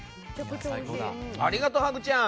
ありがとう、ハグちゃん！